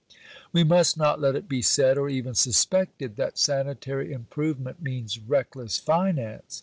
We must not let it be said, or even suspected, that sanitary improvement means reckless finance....